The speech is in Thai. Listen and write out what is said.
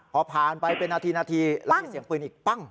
พอผ่านไปเป็นนาทีเรียนเสียงปืนอีกปั้ง